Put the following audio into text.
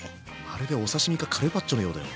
まるでお刺身かカルパッチョのようだよ。